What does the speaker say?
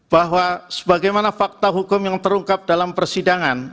bahwa sebagaimana fakta hukum yang terungkap dalam persidangan